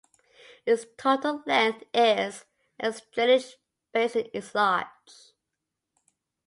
Its total length is and its drainage basin is large.